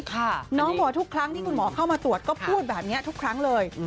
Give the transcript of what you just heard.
น้องบอกทุกครั้งที่คุณหมอเข้ามาตรวจก็พูดแบบนี้ทุกครั้งเลย